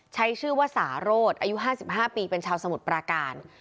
ใช้ชื่อว่าสารสอายุ๕๕ปีเป็นชาวสมุทรปราการ